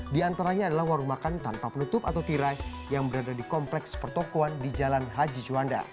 di antaranya adalah warung makan tanpa penutup atau tirai yang berada di kompleks pertokoan di jalan haji juanda